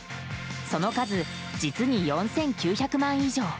その数、実に４９００万以上。